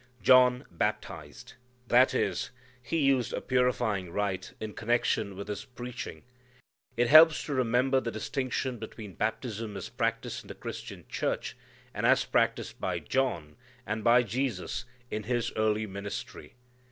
John baptized. That is, he used a purifying rite in connection with his preaching. It helps to remember the distinction between baptism as practised in the Christian Church, and as practised by John, and by Jesus in His early ministry.